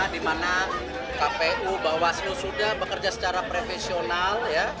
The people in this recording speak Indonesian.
dimana kpu bawaslu sudah bekerja secara profesional